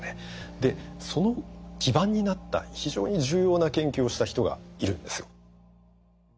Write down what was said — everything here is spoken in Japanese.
でその基盤になった非常に重要な研究をした人がいるんですよ。